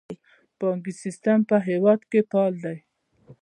بانکي سیستم په هیواد کې فعال دی